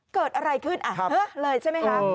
เกิดอะไรขึ้นอ่ะฮึ๊ะเลยใช่ไหมคะ